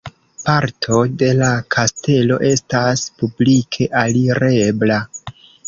Parto de la kastelo estas publike alirebla.